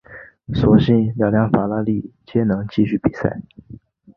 所幸两辆法拉利皆能继续比赛。